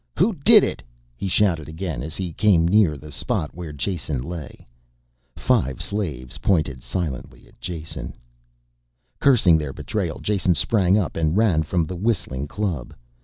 "Who did it?" he shouted again as he came near the spot where Jason lay. Five slaves pointed silently at Jason. Cursing their betrayal Jason sprang up and ran from the whistling club.